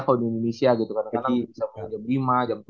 kalau di indonesia gitu kadang kadang bisa jam lima